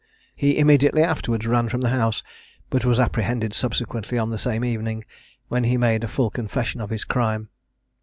He immediately afterwards ran from the house, but was apprehended subsequently on the same evening, when he made a full confession of his crime.